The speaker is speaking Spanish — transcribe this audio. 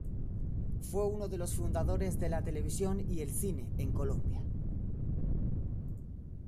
Fue uno de los fundadores de la televisión y el cine en Colombia.